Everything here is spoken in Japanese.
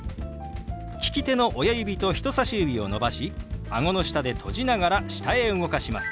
利き手の親指と人さし指を伸ばしあごの下で閉じながら下へ動かします。